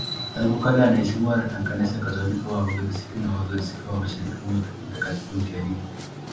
Tangu kale anaheshimiwa na Kanisa Katoliki, Waorthodoksi na Waorthodoksi wa Mashariki kama mtakatifu mfiadini.